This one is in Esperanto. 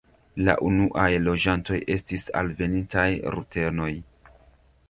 La unuaj loĝantoj estis alvenintaj rutenoj.